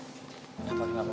kenapa engga mama